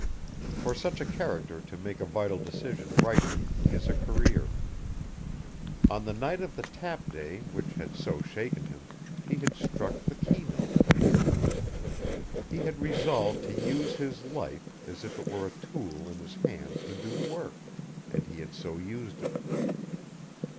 For such a character to make a vital decision rightly is a career. On the night of the Tap Day which had so shaken him, he had struck the key note. He had resolved to use his life as if it were a tool in his hand to do work, and he had so used it.